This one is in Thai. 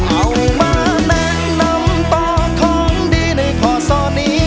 เอามาแนะนำต่อของดีในข้อสอนี้